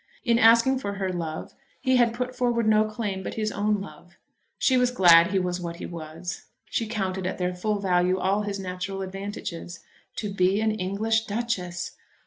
In asking for her love he had put forward no claim but his own love. She was glad he was what he was. She counted at their full value all his natural advantages. To be an English Duchess!